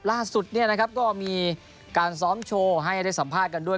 ล่าสุดก็มีการซ้อมโชว์ให้ได้สัมภาษณ์กันด้วย